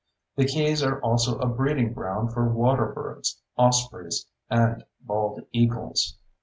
The keys are also a breeding ground for water birds, ospreys, and bald eagles.